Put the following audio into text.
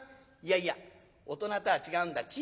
「いやいや大人とは違うんだ。